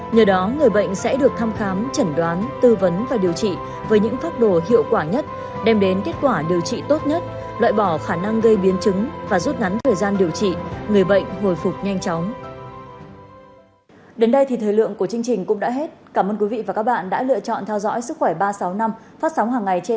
nhờ đó người bệnh sẽ được thăm khám chẩn đoán tư vấn và điều trị với những pháp đồ hiệu quả nhất đem đến kết quả điều trị tốt nhất loại bỏ khả năng gây biến chứng và rút ngắn thời gian điều trị người bệnh hồi phục nhanh chóng